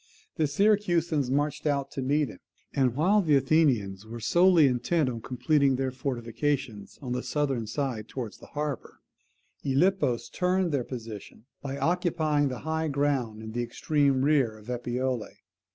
The Syracusans marched out to meet him: and while the Athenians were solely intent on completing their fortifications on the southern side towards the harbour, Gylippus turned their position by occupying the high ground in the extreme rear of Epipolae.